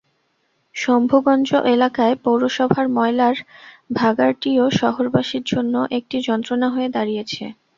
শম্ভুগঞ্জ এলাকায় পৌরসভার ময়লার ভাগাড়টিও শহরবাসীর জন্য একটি যন্ত্রণা হয়ে দাঁড়িয়েছে।